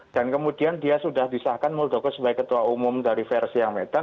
kemudian dia sudah disahkan muldoko sebagai ketua umum dari versi yang medan